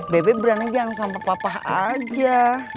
bebe berani jangan sampai papa saja